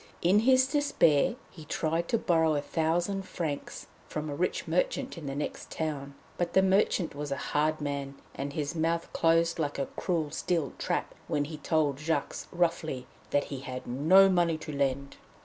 In his despair he tried to borrow a thousand francs from a rich merchant in the next town; but the merchant was a hard man, and his mouth closed like a cruel steel trap when he told Jacques roughly that he had no money to lend.